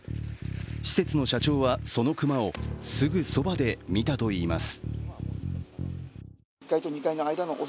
施設の社長はその熊をすぐそばで見たといいます。